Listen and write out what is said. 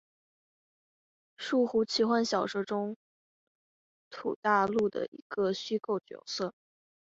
树胡奇幻小说中土大陆的一个虚构角色。